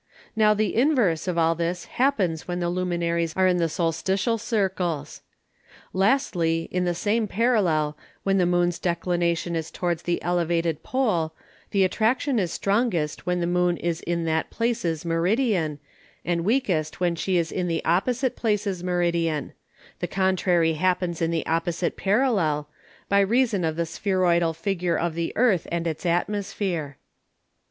Now the Inverse of all this happens when the Luminaries are in the Solstitial Circles. Lastly, In the same Parallel, when the Moon's Declination is towards the Elevated Pole, the Attraction is strongest when the Moon is in that Places Meridian, and weakest when she is in the Opposite Places Meridian: The contrary happens in the Opposite Parallel; by reason of the Spheroidal Figure of the Earth and its Atmosphere.